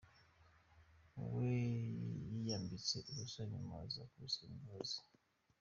We yiyambitse ubusa nyuma aza kubisabira imbabazi.